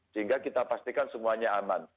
sehingga kita pastikan semuanya aman